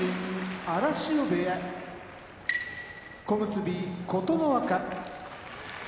荒汐部屋小結・琴ノ若